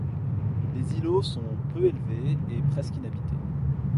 Les îlots sont peu élevés et presque inhabités.